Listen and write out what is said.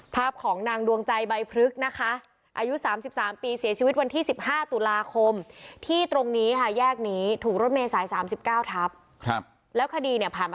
ภาพของนางดวงใจใบพลึกนะคะอายุสามสิบสามปีเสียชีวิตวันที่สิบห้าตุลาคม